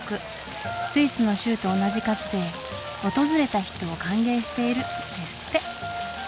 スイスの州と同じ数で訪れた人を歓迎している」ですって。